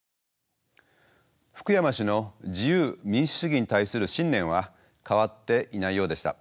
フクヤマ氏の自由民主主義に対する信念は変わっていないようでした。